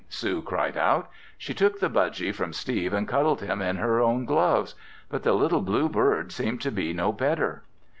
Sue cried out. She took the budgy from Steve and cuddled him in her own gloves. But the little blue bird seemed to be no better.